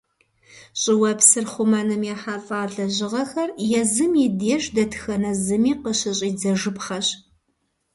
Щӏыуэпсыр хъумэным ехьэлӀа лэжьыгъэхэр езым и деж дэтхэнэ зыми къыщыщӀидзэжыпхъэщ.